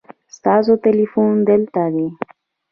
ستاسو تلیفون دلته دی